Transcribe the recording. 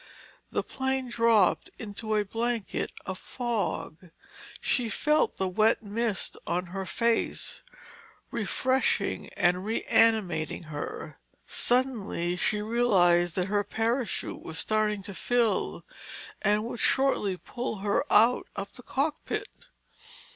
The plane dropped into a blanket of fog. She felt the wet mist on her face, refreshing and reanimating her. Suddenly she realized that her parachute was starting to fill and would shortly pull her out of the cockpit.